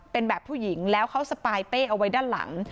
เป็นแบบผู้หญิงแล้วเขาสปายเป้เอาไว้ด้านหลัง